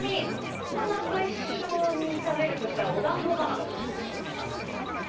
お花と一緒に食べるとしたらお団子かな。